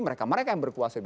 mereka mereka yang berkuasa